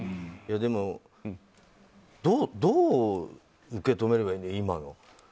でも、どう受け止めればいいの。